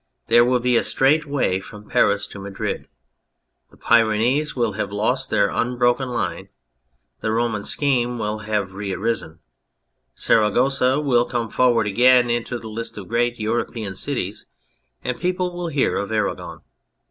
There will be a straight way from Paris to Madrid ; the Pyrenees will have lost their unbroken line ; the Roman scheme will have re arisen ; Saragossa will come forward again into the list of great European cities, and people will hear of Aragon.